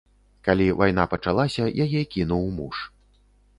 Калі вайна пачалася, яе кінуў муж.